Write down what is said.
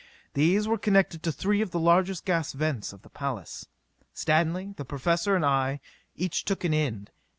These were connected to three of the largest gas vents of the palace. Stanley, the Professor and I each took an end.